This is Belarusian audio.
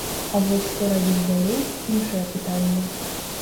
А вось што рабіць далей, іншае пытанне.